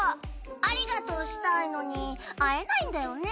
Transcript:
ありがとうしたいのに会えないんだよね。